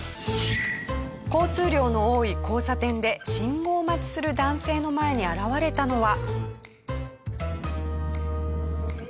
交通量の多い交差点で信号待ちする男性の前に現れたのは。